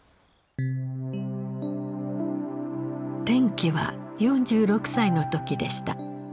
転機は４６歳の時でした。